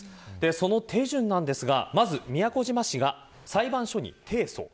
その手順なんですがまず、宮古島市が裁判所に提訴。